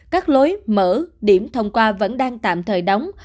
các lối mở điểm thông qua vẫn đang tạm thời đóng